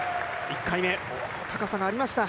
１回目、高さがありました。